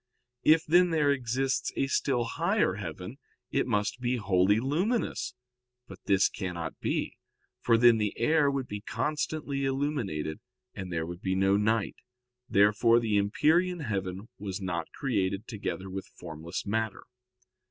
If, then, there exists a still higher heaven, it must be wholly luminous. But this cannot be, for then the air would be constantly illuminated, and there would be no night. Therefore the empyrean heaven was not created together with formless matter.